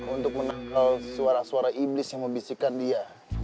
untuk menangkal suara suara iblis yang membisikkan dia